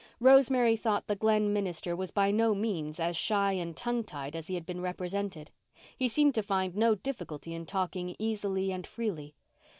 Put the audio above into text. Rosemary thought the Glen minister was by no means as shy and tongue tied as he had been represented. He seemed to find no difficulty in talking easily and freely.